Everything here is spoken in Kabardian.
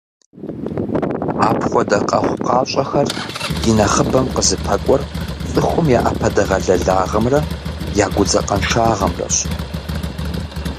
Апхуэдэ къэхъукъащӀэхэр и нэхъыбэм «къызыпэкӀуэр» цӀыхухэм я Ӏэпэдэгъэлэлагъымрэ я гудзакъэншагъэмрэщ.